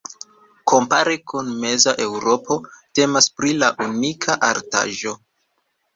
Kompare kun meza Eŭropo temas pri la unika artaĵo.